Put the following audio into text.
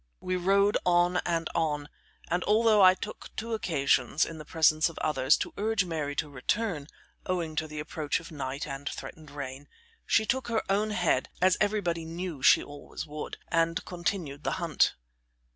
We rode on and on, and although I took two occasions, in the presence of others, to urge Mary to return, owing to the approach of night and threatened rain, she took her own head, as everybody knew she always would, and continued the hunt.